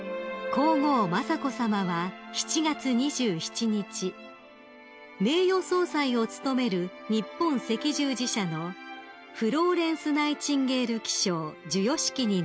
［皇后雅子さまは７月２７日名誉総裁を務める日本赤十字社のフローレンス・ナイチンゲール記章授与式に臨まれました］